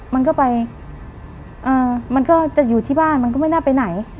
มันก็ไปมันก็จะอยู่ที่บ้านมันก็ไม่น่าไปไหน